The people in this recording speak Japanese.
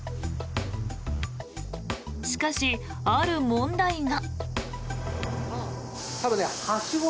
しかし、ある問題が。